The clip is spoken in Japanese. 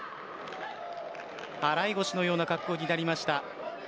払腰のような格好になりました。